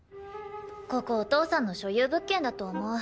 ここお父さんの所有物件だと思う。